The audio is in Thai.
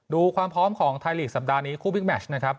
ดูความพร้อมของไทยลีกสัปดาห์นี้คู่บิ๊กแมชนะครับ